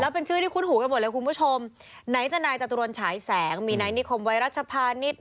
แล้วเป็นชื่อที่คุ้นหูกันหมดเลยคุณผู้ชมไหนจะไหนจะตรวนฉายแสงมีไหนนิคมไวรัชภาณิชย์